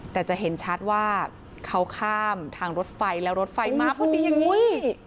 แต่จะเห็นชัดว่าเขาข้ามทางรถไฟแล้วรถไฟมาพอดีอย่างนี้